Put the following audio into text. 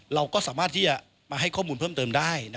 เราก็สามารถที่จะมาให้ข้อมูลเพิ่มเติมได้